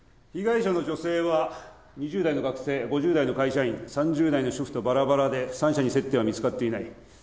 被害者の女性は２０代の学生５０代の会社員３０代の主婦とバラバラで三者に接点は見つかっていない。